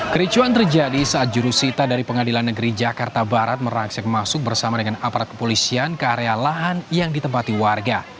kericuan terjadi saat jurusita dari pengadilan negeri jakarta barat merangsek masuk bersama dengan aparat kepolisian ke area lahan yang ditempati warga